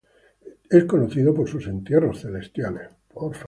Es conocido por sus entierros celestiales.